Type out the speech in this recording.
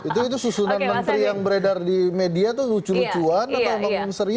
itu susunan menteri yang beredar di media itu lucu lucuan atau serius